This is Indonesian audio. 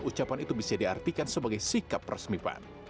ucapan itu bisa diartikan sebagai sikap resmi pan